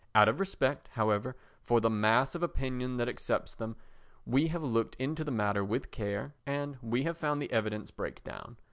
Out of respect, however, for the mass of opinion that accepts them we have looked into the matter with care, and we have found the evidence break down.